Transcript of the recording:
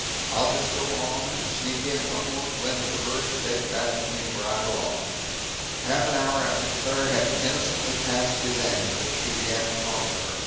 I'll just go on, and sneak in one more glimpse of her to take back with me where I belong." Half an hour after Claire had innocently passed his ambush, he began to follow her.